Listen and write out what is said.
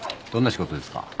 どんな仕事ですか？